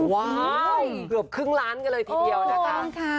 ว้าวเกือบครึ่งล้านกันเลยทีเดียวนะคะ